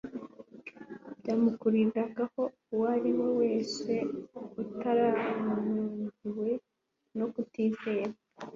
byamukururiragaho uwo ari we wese utaranangiwe no kutizera.